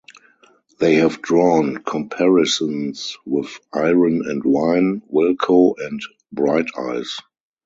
They have drawn comparisons with Iron and Wine, Wilco, and Bright Eyes.